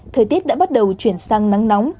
thời tiết đã bắt đầu chuyển sang nắng nóng